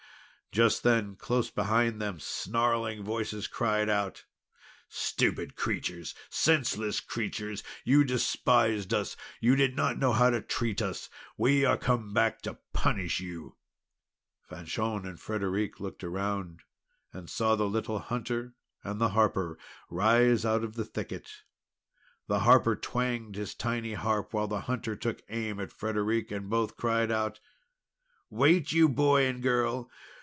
Just then, close behind them, snarling voices cried out: "Stupid creatures! Senseless creatures! You despised us! You did not know how to treat us! We are come back to punish you!" Fanchon and Frederic looked around, and saw the little hunter and the harper rise out of the thicket. The harper twanged his tiny harp, while the hunter took aim at Frederic; and both cried out: "Wait, you boy and girl!